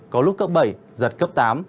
có lúc cấp bảy giật cấp tám